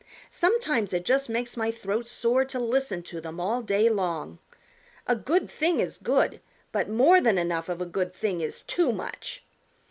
Sometimes it just makes my throat sore to listen to them all day long. A good thing is good, but more than enough of a good thing is too much.